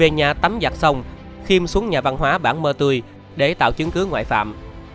về nhà tắm vạt xong kim xuống nhà văn hóa bảng mơ tươi để tạo chứng cứ ngoại phạm